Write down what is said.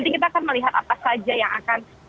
kita akan melihat apa saja yang akan